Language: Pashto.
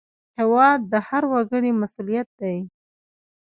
هېواد د هر وګړي مسوولیت دی